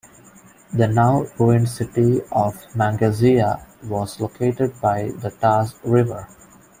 The now ruined city of Mangazeya was located by the Taz River.